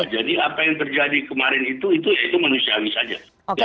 jadi apa yang terjadi kemarin itu itu manusiawi saja